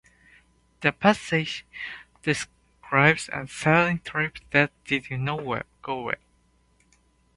The passage describes a sailing trip that did not go well.